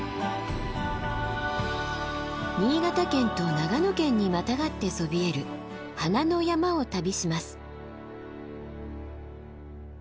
新潟県と長野県にまたがってそびえる花の山を旅します。